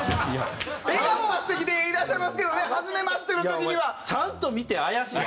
笑顔は素敵でいらっしゃいますけどねはじめましての時には。